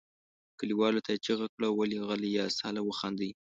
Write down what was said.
کليوالو ته یې چیغه کړه ولې غلي یاست هله وخاندئ.